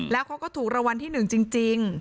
แล้วเขาก็ถูกรางวัลที่๑จริง